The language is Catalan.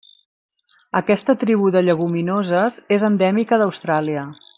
Aquesta tribu de lleguminoses és endèmica d'Austràlia.